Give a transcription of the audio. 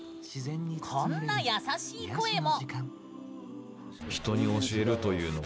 こんな優しい声も！